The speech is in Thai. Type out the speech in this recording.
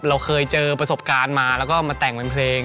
ผมเคยเจอประสบการณ์มามาแต่งเป็นเพลง